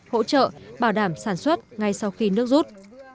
hỗ trợ bảo đảm sản xuất ngay sau khi nước rút